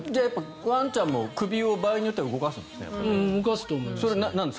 ワンちゃんも首を場合によっては動かすんですね。